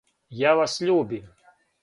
Ја вас љубим.